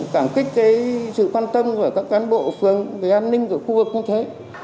cảm kích cái sự quan tâm của các cá nhân bộ phường về an ninh của khu vực như thế